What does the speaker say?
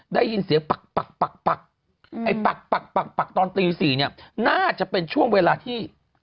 ได้ยินเสียงปักตอนตี๔เนี่ยน่าจะเป็นช่วงเวลาที่